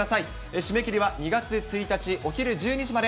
締め切りは２月１日お昼１２時まで。